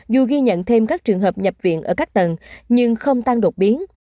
hà nội đã nhận thêm các trường hợp nhập viện ở các tầng nhưng không tăng đột biến